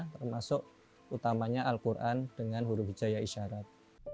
termasuk utamanya al quran dengan huruf hijaya isyarat